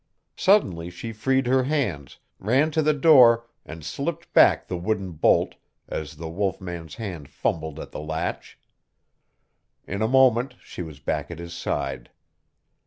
Suddenly she freed her hands, ran to the door and slipped back the wooden bolt as the wolf man's hand fumbled at the latch. In a moment she was back at his side.